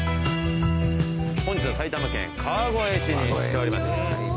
本日は埼玉県川越市に来ております。